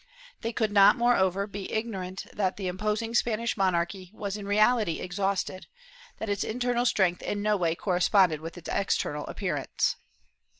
They could not, moreover, be ignorant that the imposing Spanish monarchy was in reality exhausted — that its internal strength in no way corresponded with its external appearance.